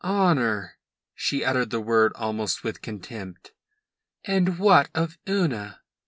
"Honour?" She uttered the word almost with contempt. "And what of Una?"